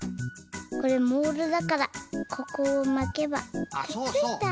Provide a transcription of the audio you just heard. これモールだからここをまけばくっついた！